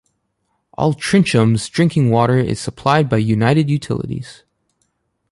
Altrincham's drinking water is supplied by United Utilities.